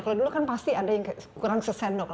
kalau dulu kan pasti ada yang kurang sesendok